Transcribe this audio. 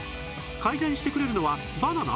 改善してくれるのはバナナ？